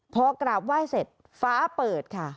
พอกราบไหว้เสร็จฟ้าเปิดค่ะ